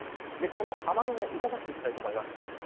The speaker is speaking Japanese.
この雨雲を動かしていきたいと思います。